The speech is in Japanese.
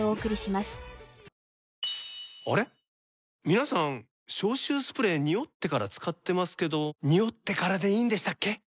皆さん消臭スプレーニオってから使ってますけどニオってからでいいんでしたっけ？